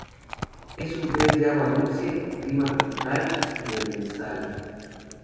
Es un pez de agua dulce, clima tropical y demersal.